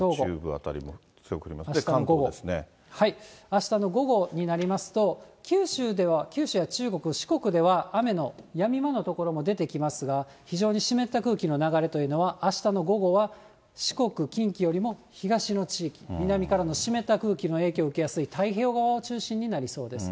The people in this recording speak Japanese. あしたの午後になりますと、九州や四国では雨のやみまの所も出てきますが、非常に湿った空気の流れというのはあしたの午後は四国、近畿よりも東の地域、南からの湿った空気の影響を受けやすい太平洋側を中心になりそうです。